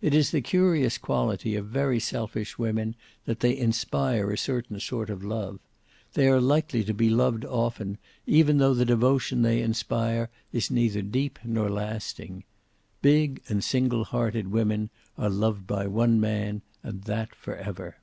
It is the curious quality of very selfish women that they inspire a certain sort of love. They are likely to be loved often, even tho the devotion they inspire is neither deep nor lasting. Big and single hearted women are loved by one man, and that forever.